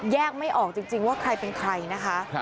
ไม่ออกจริงว่าใครเป็นใครนะคะ